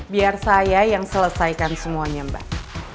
biar saya yang selesaikan semuanya mbak